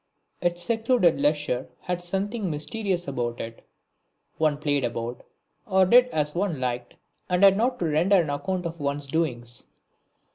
Its secluded leisure had something mysterious about it; one played about, or did as one liked and had not to render an account of one's doings.